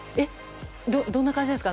どんな感じですか？